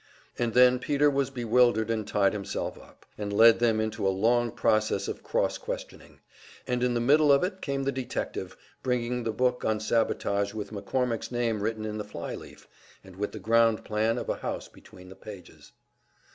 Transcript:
And then Peter was bewildered and tied himself up, and led them into a long process of cross questioning; and in the middle of it came the detective, bringing the book on sabotage with McCormick's name written in the fly leaf, and with the ground plan of a house between the pages.